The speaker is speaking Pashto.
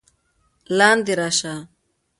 لاندې راشه!